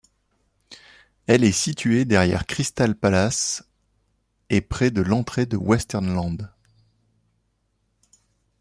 Elle est située derrière Crystal Palace et près de l'entrée de Westernland.